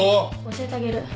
教えてあげる。